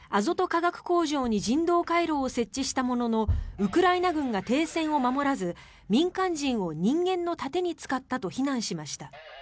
化学工場に人道回廊を設置したもののウクライナ軍が停戦を守らず民間人を人間の盾に使ったと非難しました。